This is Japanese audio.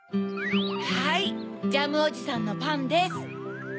はいジャムおじさんのパンです。